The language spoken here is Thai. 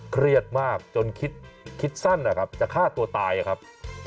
เครียดมากจนคิดสั้นนะครับจะฆ่าตัวตายอะครับ